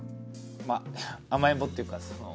まあ甘えんぼっていうかその。